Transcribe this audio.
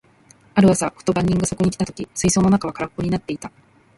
ある朝、ふと番人がそこに来た時、水槽の中は空っぽになっていた。